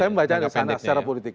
saya membaca secara politik